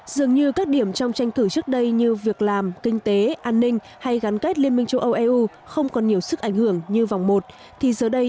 dường như các điểm trong tranh thử trước đây như việc làm kinh tế an ninh hay gắn kết liên minh châu âu eu không còn nhiều sức ảnh hưởng như vòng một